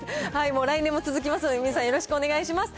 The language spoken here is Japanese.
来年も続きますので、皆さん、よろしくお願いします。